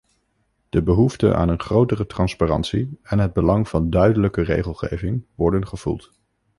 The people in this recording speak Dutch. De behoefte aan een grotere transparantie en het belang van duidelijke regelgeving worden gevoeld.